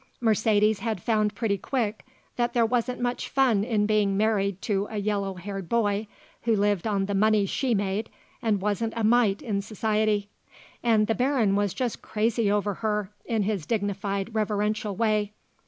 Mercedes had found pretty quick that there wasn't much fun in being married to a yellow haired boy who lived on the money she made and wasn't a mite in society. And the Baron was just crazy over her in his dignified, reverential way.